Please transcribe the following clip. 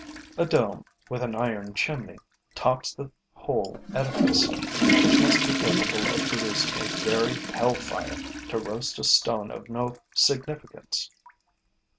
A dome, with an iron chimney, tops the whole edifice, which must be capable of producing a very hell fire to roast a stone of no significance.